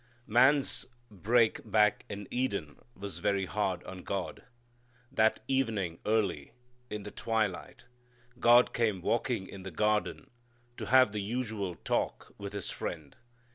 Man's break back in Eden was very hard on God. That evening early, in the twilight, God came walking in the garden to have the usual talk with His friend.